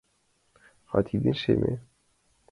А тидын — шеме.